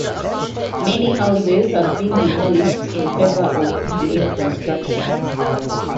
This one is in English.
Many houses have been demolished in favor of new construction.